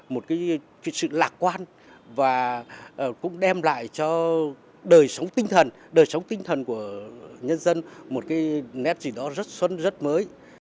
một cái sự lạc quan và cũng đem lại cho đời sống tinh thần đời sống tinh thần của nhân dân một cái nét gì đó rất xuân rất mới